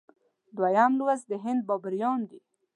دویم لوست د هند بابریان دي.